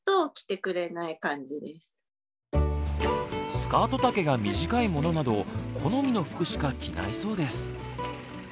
スカート丈が短いものなど好みの服しか着ないそうです。